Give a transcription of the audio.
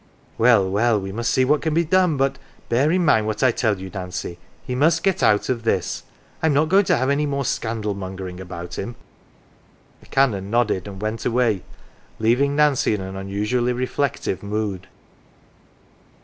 " Well, well, we must see what can be done but bear in mind what I tell you, Nancy. He must get out of this. I'm not going to have any more scandal mongering about him." The Canon nodded and went away, leaving Nancy in an unusually reflective mood.